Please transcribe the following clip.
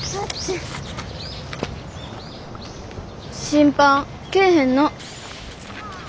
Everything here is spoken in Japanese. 審判来ぇへんな。